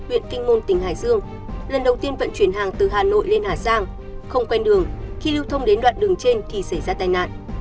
huyện kinh môn tỉnh hải dương lần đầu tiên vận chuyển hàng từ hà nội lên hà giang không quen đường khi lưu thông đến đoạn đường trên thì xảy ra tai nạn